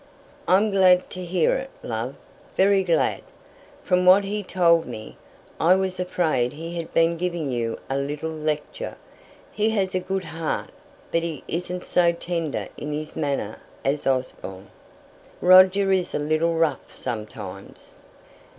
"I'm glad to hear it, love; very glad. From what he told me, I was afraid he had been giving you a little lecture. He has a good heart, but he isn't so tender in his manner as Osborne. Roger is a little rough sometimes."